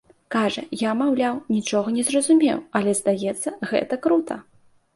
Кажа, я, маўляў, нічога не зразумеў, але, здаецца, гэта крута.